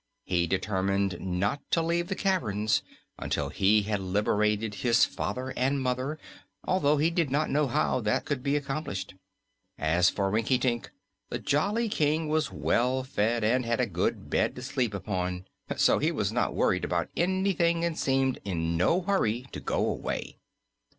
He determined not to leave the caverns until he had liberated his father and mother, although he did not then know how that could be accomplished. As for Rinkitink, the jolly King was well fed and had a good bed to sleep upon, so he was not worrying about anything and seemed in no hurry to go away.